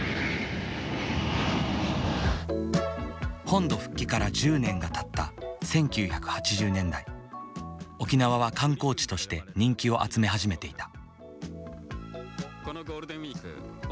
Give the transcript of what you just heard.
本土復帰から１０年がたった１９８０年代沖縄は観光地として人気を集め始めていた。